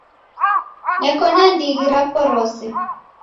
Neko na ndighi rapo rose.